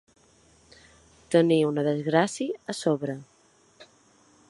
Tenir una desgràcia a sobre.